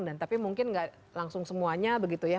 dan tapi mungkin nggak langsung semuanya begitu ya